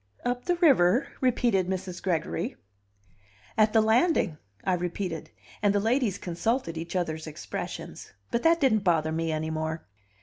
"Up the river?" repeated Mrs. Gregory "At the landing," I repeated. And the ladies consulted each other's expressions. But that didn't bother me any more.